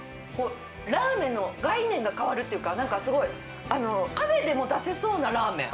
ラーメンの概念が変わるっていうか何かすごいカフェでも出せそうなラーメン。